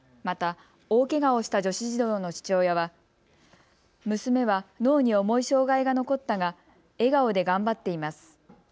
また大けがをした女子児童の父親は娘は脳に重い障害が残ったが笑顔で頑張っています。